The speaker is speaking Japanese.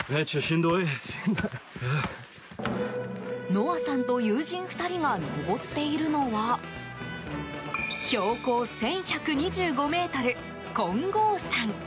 ノアさんと友人２人が登っているのは標高１１２５ｍ、金剛山。